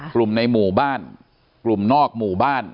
กลุ่มในหมู่บ้านกลุ่มนอกหมู่บ้าน